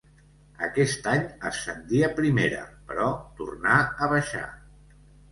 Aquest any, ascendí a primera, però tornà a baixar.